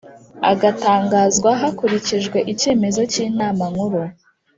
agatangazwa hakurikijwe icyemezo cy Inama Nkuru